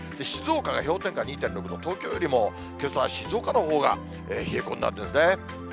静岡が氷点下２．６度、東京よりもけさは静岡のほうが冷え込んだんですね。